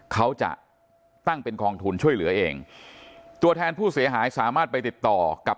เขาจะตั้งเป็นกองทุนช่วยเหลือเองตัวแทนผู้เสียหายสามารถไปติดต่อกับ